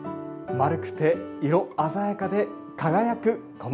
丸くて色鮮やかで輝くこま。